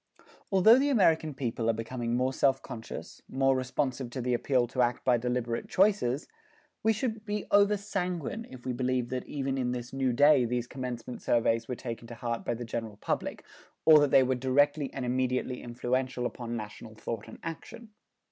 Although the American people are becoming more self conscious, more responsive to the appeal to act by deliberate choices, we should be over sanguine if we believed that even in this new day these commencement surveys were taken to heart by the general public, or that they were directly and immediately influential upon national thought and action.